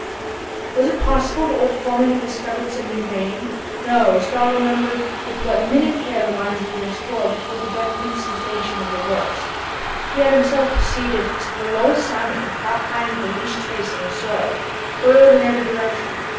Was it possible that the old foreman had discovered some new vein? No! Starr remembered with what minute care the mines had been explored before the definite cessation of the works. He had himself proceeded to the lowest soundings without finding the least trace in the soil, burrowed in every direction.